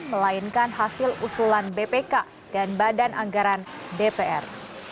melainkan hasil usulan bpk dan badan anggaran dpr